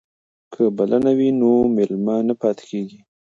که بلنه وي نو مېلمه نه پاتې کیږي.